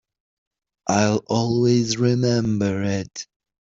I'll always remember it.